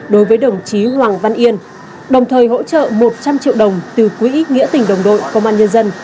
đối với đồng chí hoàng văn yên đồng thời hỗ trợ một trăm linh triệu đồng từ quỹ nghĩa tình đồng đội công an nhân dân